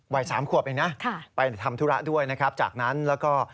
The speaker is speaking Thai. วัยสามขวบเองนะไปทำธุระด้วยนะครับจากนั้นแล้วก็